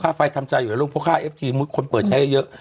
อ๋อค่าไฟทำใจอยู่ในรูปเพราะค่าเอฟทีมมันคนเปิดใช้เยอะ